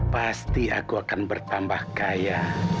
pasti aku akan bertambah kaya